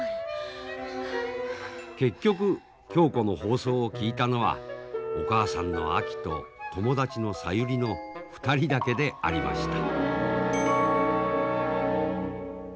結局恭子の放送を聞いたのはお母さんのあきと友達の小百合の２人だけでありました。